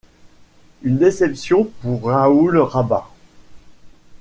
Une déception pour Raoul Raba.